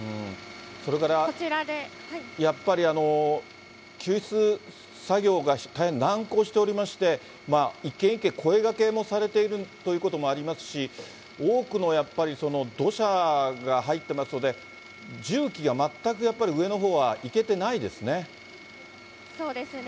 それからやっぱり、救出作業が大変難航しておりまして、一軒一軒声がけもされているということもありますし、多くの、やっぱり土砂が入ってますので、重機が全くやっぱり上のほうは行けてないですね。